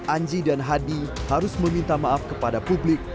anji dan hadi harus meminta maaf kepada publik